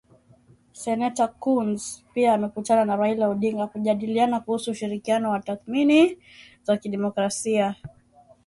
Seneta Coons pia amekutana na Raila Odinga kujadiliana kuhusu ushirikiano wa thamini za kidemokrasia